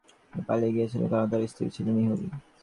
তিনি পালিয়ে গিয়েছিলেন, কারণ তার স্ত্রী ছিলেন ইহুদি।